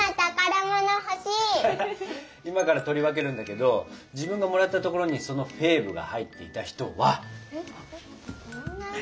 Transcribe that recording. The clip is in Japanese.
今から取り分けるんだけど自分のもらったところにそのフェーブが入っていた人は。